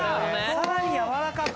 さらにやわらかく。